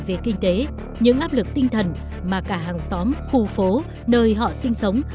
về kinh tế những áp lực tinh thần mà cả hàng xóm khu phố nơi họ sinh sống